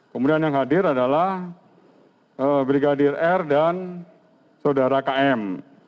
kemudian yang hadir adalah brigadir r dan saudara km